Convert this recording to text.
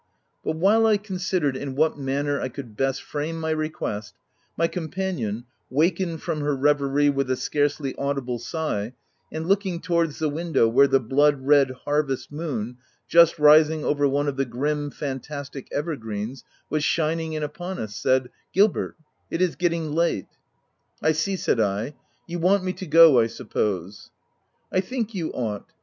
OF WILDFELL HALL. 207 But while I considered in what manner I could best frame my request, my companion wakened from her reverie with a scarcely au dible sigh, and looking towards the window where the blood red harvest moon, just rising over one of the grim, fantastic evergreens, was shining in upon us, said, —" Gilbert, it is getting late." "I see/' said I. ct You want me to go, I suppose. M '• I think you ought.